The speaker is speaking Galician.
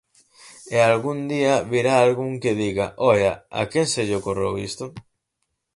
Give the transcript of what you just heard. E algún día virá algún que diga: oia, ¿a quen se lle ocorreu isto?